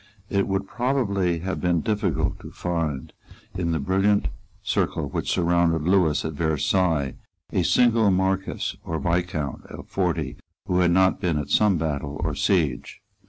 It would probably have been difficult to find in the brilliant circle which surrounded Lewis at Versailles a single Marquess or Viscount of forty who had not been at some battle or siege.